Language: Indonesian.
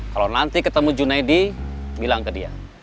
kalau nanti ketemu junaidi bilang ke dia